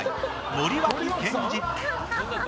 森脇健児。